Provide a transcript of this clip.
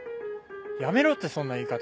やめろってそんな言い方。